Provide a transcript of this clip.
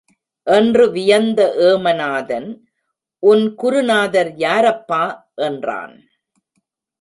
என்று வியந்த ஏமநாதன், உன் குருநாதர் யார் அப்பா? என்றான்.